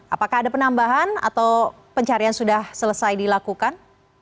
apakah ada penambahan atau pencarian sudah selesai dilakukan